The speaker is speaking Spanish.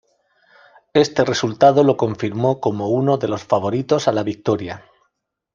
Este resultado lo confirmó como uno de los favoritos a la victoria.